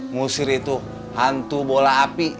ngusir itu hantu bola api